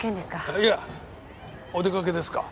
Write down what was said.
いやお出かけですか？